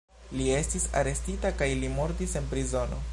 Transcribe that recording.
Li estis arestita kaj li mortis en prizono.